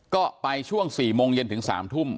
ก็ไปช่วง๔โมงเย็นถึง๓ทุ่ม